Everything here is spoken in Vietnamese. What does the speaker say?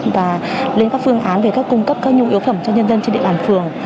và lên các phương án về các cung cấp các nhu yếu phẩm cho nhân dân trên địa bàn phường